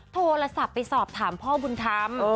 โทรศัพท์ไปสอบถามพ่อบุญธรรม